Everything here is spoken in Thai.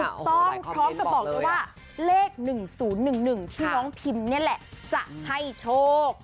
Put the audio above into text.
ถูกต้องเพราะจะบอกว่าเลข๑๐๑๑ที่น้องพิมพ์เนี่ยแหละจะให้โชค